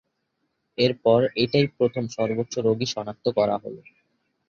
এরপর এটাই প্রথম সর্বোচ্চ রোগী শনাক্ত করা হলো।